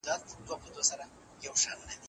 هغه د سيمو ساتنه تنظيم کړه.